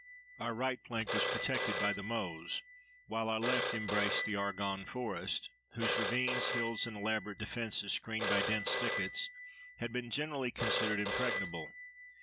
Our right flank was protected by the Meuse, while our left embraced the Argonne Forest, whose ravines, hills, and elaborate defense, screened by dense thickets, had been generally considered impregnable.